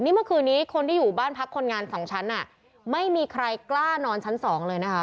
เมื่อคืนนี้คนที่อยู่บ้านพักคนงานสองชั้นไม่มีใครกล้านอนชั้นสองเลยนะคะ